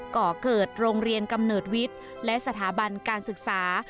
ก่อเกิดโรงเรียนกำเนิดวิทย์และสถาบันการศึกษา